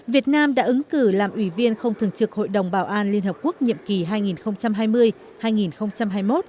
việt nam đã ứng cử làm ủy viên không thường trực hội đồng bảo an liên hợp quốc nhiệm kỳ hai nghìn hai mươi hai nghìn hai mươi một